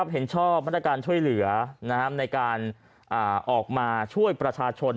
เห็นชอบมาตรการช่วยเหลือในการออกมาช่วยประชาชน